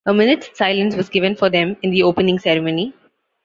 A minute's silence was given for them in the opening ceremony.